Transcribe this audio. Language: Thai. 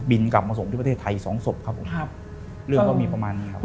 กลับมาส่งที่ประเทศไทยสองศพครับผมครับเรื่องก็มีประมาณนี้ครับ